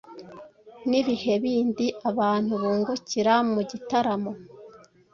Ni ibihe bindi abantu bungukira mu gitaramo?